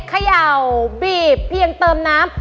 เขย่าบีบเพียงเติมน้ำ